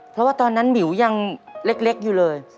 เพราะว่าตอนนั้นหมิวยังเล็กอยู่เลย